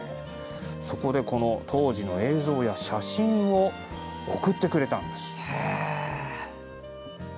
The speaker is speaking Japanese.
そこで当時の映像や写真を送ってくれたんです。